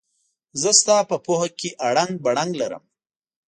زه ستا په پوهه کې اړنګ بړنګ لرم.